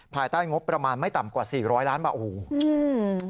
ภายใต้งบประมาณไม่ต่ำกว่า๔๐๐ล้านบาท